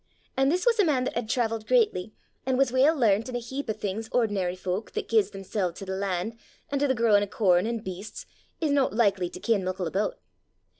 An' this was a man that had travelled greatly, an' was weel learnt in a heap o' things ord'nar fowk, that gies themsel's to the lan', an' the growin' o' corn, an' beasts, ir no likly to ken mickle aboot.